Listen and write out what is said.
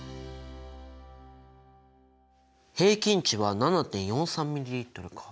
平均値は７．４３ｍＬか。